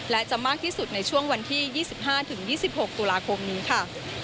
และจะมากที่สุดในช่วงวันที่๒๕๒๖ตุลาคมนี้ค่ะ